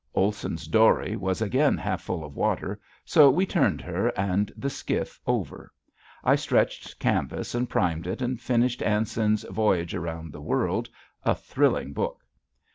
Olson's dory was again half full of water so we turned her and the skiff over. I stretched canvass and primed it and finished Anson's "Voyage Around the World" a thrilling book.